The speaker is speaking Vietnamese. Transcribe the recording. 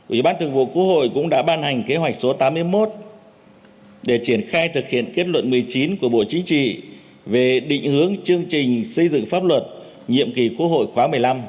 ủy ban thường vụ quốc hội cũng đã ban hành kế hoạch số tám mươi một để triển khai thực hiện kết luận một mươi chín của bộ chính trị về định hướng chương trình xây dựng pháp luật nhiệm kỳ quốc hội khóa một mươi năm